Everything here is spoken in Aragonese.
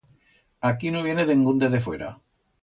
Aquí no viene dengún de defuera.